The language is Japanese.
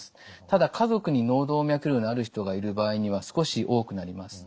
ただ家族に脳動脈瘤のある人がいる場合には少し多くなります。